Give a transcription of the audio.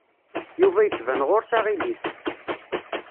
Yuba yettban ɣur-s aɣilif.